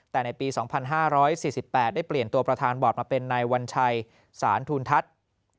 แต่ในปี๒๕๔๘ได้เปลี่ยนตัวประธานบอร์ดมาเป็นนายวัญชัยสารทูลทัศน์